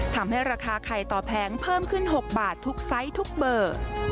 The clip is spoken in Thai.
ทำให้ราคาไข่ต่อแผงเพิ่มขึ้น๖บาททุกไซส์ทุกเบอร์